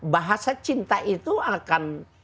bahasa cinta itu akan